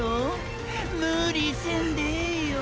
ムリせんでええよ？